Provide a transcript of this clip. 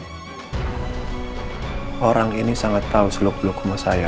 hai orang ini sangat tahu selok selok rumah saya